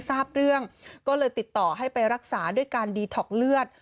ทราบเรื่องก็เลยติดต่อให้ไปรักษาด้วยการดีท็อกเลือด